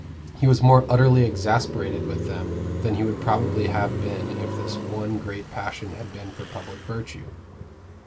He was more utterly exasperated with them than he would probably have been if his one great passion had been for public virtue.